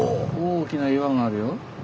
大きな岩があるよ。